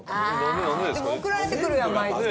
でも送られてくるやん毎月。